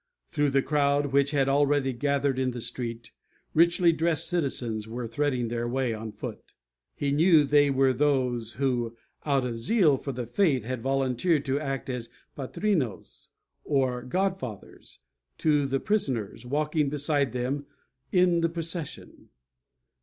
Through the crowd, which had already gathered in the street, richly dressed citizens were threading their way on foot. He knew they were those who, out of zeal for the faith, had volunteered to act as patrinos, or god fathers, to the prisoners, walking beside them in the procession.